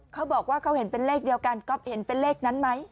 เขาบอกว่าเขาเห็นเป็นเลขเดียวกันก๊อฟเห็นเป็นเลขนั้นไหม